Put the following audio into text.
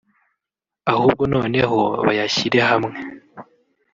ahubwo noneho bayashyire hamwe